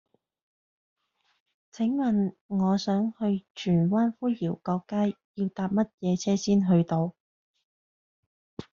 請問我想去荃灣灰窰角街要搭乜嘢車先去到